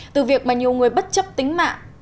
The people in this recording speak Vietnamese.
từ việc mà nhiều người bất chấp tính mạng